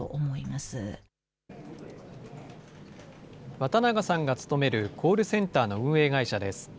渡長さんが勤めるコールセンターの運営会社です。